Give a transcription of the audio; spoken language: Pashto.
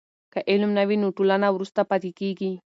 که علم نه وي نو ټولنه وروسته پاتې کېږي.